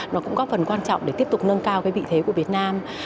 nó cũng góp phần quan trọng để tiếp tục nâng cao cái vị thế của việt nam